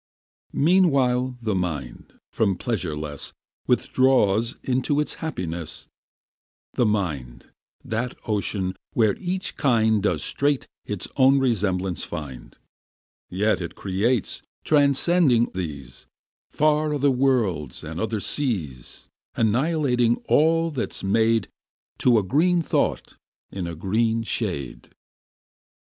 Meanwhile the mind, from pleasure less, Withdraws into its happiness; The mind, that ocean where each kind Does straight its own resemblance find, Yet it creates, transcending these, Far other worlds, and other seas; Annihilating all that's made To a green thought in a green shade.